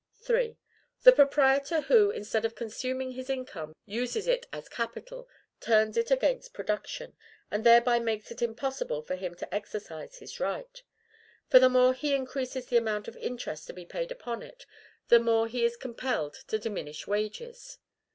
III. The proprietor who, instead of consuming his income, uses it as capital, turns it against production, and thereby makes it impossible for him to exercise his right. For the more he increases the amount of interest to be paid upon it, the more he is compelled to diminish wages.